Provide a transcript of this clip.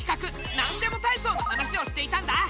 「なんでもたいそう」の話をしていたんだ。